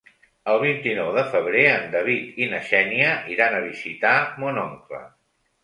El vint-i-nou de febrer en David i na Xènia iran a visitar mon oncle.